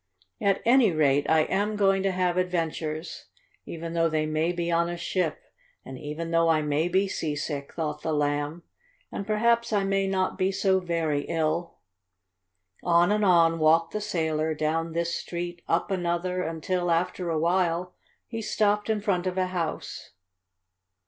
"At any rate I am going to have adventures, even though they may be on a ship, and even though I may be seasick," thought the Lamb. "And perhaps I may not be so very ill." On and on walked the sailor, down this street up another until, after a while, he stopped in front of a house.